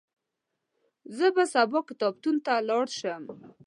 زه به سبا کتابتون ته ولاړ شم.